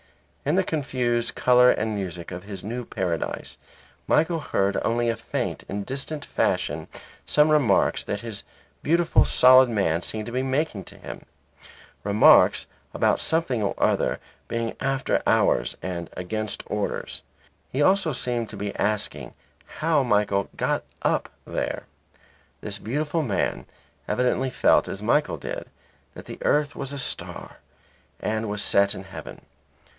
In the confused colour and music of his new paradise, Michael heard only in a faint and distant fashion some remarks that this beautiful solid man seemed to be making to him; remarks about something or other being after hours and against orders. He also seemed to be asking how Michael "got up" there. This beautiful man evidently felt as Michael did that the earth was a star and was set in heaven.